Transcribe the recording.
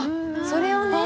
それをね。